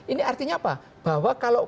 ini artinya apa bahwa kalau